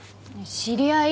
知り合い。